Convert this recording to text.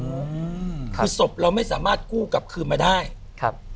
อืมคือศพเราไม่สามารถกู้กลับคืนมาได้ครับ